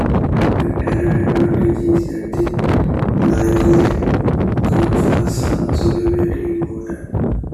An added advantage is that the glycolate confers some solubility in water.